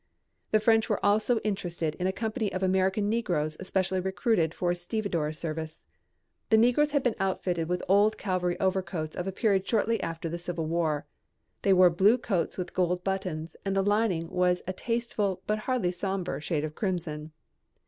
The French were also interested in a company of American negroes specially recruited for stevedore service. The negroes had been outfitted with old cavalry overcoats of a period shortly after the Civil War. They were blue coats with gold buttons and the lining was a tasteful but hardly somber shade of crimson.